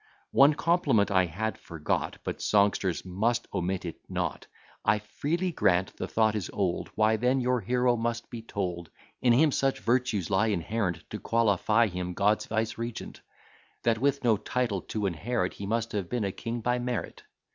One compliment I had forgot, But songsters must omit it not; I freely grant the thought is old: Why, then, your hero must be told, In him such virtues lie inherent, To qualify him God's vicegerent; That with no title to inherit, He must have been a king by merit.